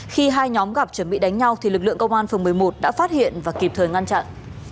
khi hai nhóm gặp chuẩn bị đánh nhau thì lực lượng công an phường một mươi một đã phát hiện và kịp thời ngăn chặn